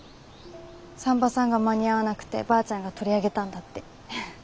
産婆さんが間に合わなくてばあちゃんが取り上げたんだって。